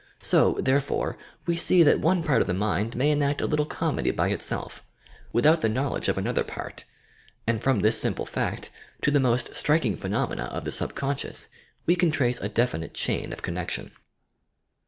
So, therefore, we see that one part of the mind may enact a little comedy by itself, without the knowledge of another part; and, from this simple fact to the most striking phenomena of the subconscious we can trace a definite chain of connection.